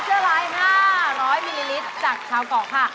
กะทิถุพัชราย๕๐๐มิลลิลิตรจากชาวเกาะค่ะ